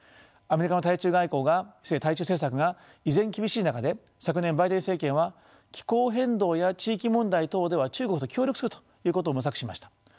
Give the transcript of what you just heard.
アメリカの対中政策が依然厳しい中で昨年バイデン政権は気候変動や地域問題等では中国と協力するということを模索しました。